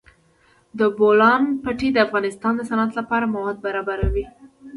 د بولان پټي د افغانستان د صنعت لپاره مواد برابروي.